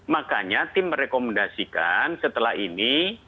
makanya tim merekomendasikan setelah ini